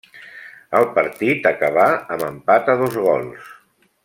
El partit acabà amb empat a dos gols.